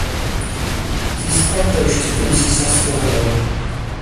Získal též titul císařského rady.